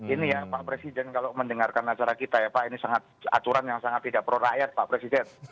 ini ya pak presiden kalau mendengarkan acara kita ya pak ini aturan yang sangat tidak pro rakyat pak presiden